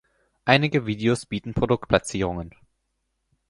Einige Videos bieten Produktplatzierungen.